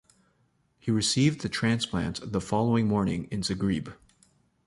He received the transplant the following morning in Zagreb.